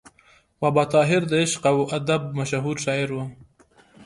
بابا طاهر د عشق او ادب مشهور شاعر و.